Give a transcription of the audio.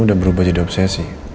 udah berubah jadi obsesi